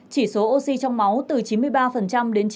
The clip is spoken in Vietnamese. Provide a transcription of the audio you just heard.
chỉ số oxy trong máu từ chín mươi ba đến chín mươi